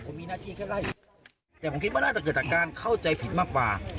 ผมมีหน้าที่แค่ไล่แต่ผมคิดว่าน่าจะเกิดจากการเข้าใจผิดมากกว่า